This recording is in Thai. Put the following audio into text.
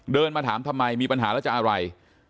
มาถามทำไมมีปัญหาแล้วจะอะไร